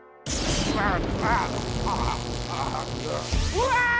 うわ！